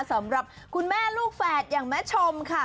สำหรับคุณแม่ลูกแฝดอย่างแม่ชมค่ะ